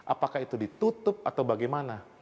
apakah itu ditutup atau bagaimana